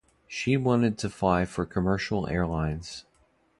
She wanted to fly for commercial airlines.